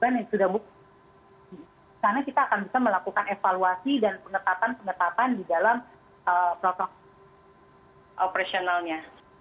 karena kita akan bisa melakukan evaluasi dan pengetapan pengetapan di dalam protokol operasionalnya